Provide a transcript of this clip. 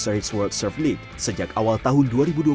seri world surf league sejak awal tahun